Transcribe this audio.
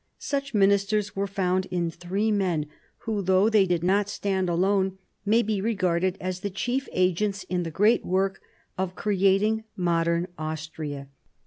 Such ministers were found in three men who, though they did not stand alone, may be regarded as the chief agents in the great work of creating modern Austria.